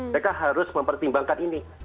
mereka harus mempertimbangkan ini